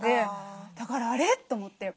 だからあれ？と思って。